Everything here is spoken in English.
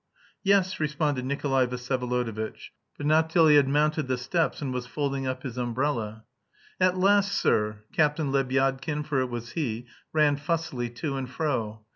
"Yes," responded Nikolay Vsyevolodovitch, but not till he had mounted the steps and was folding up his umbrella. "At last, sir." Captain Lebyadkin, for it was he, ran fussily to and fro.